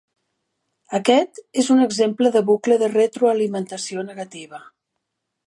Aquest és un exemple de bucle de retroalimentació negativa.